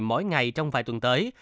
mỗi ngày trong vài tuần tới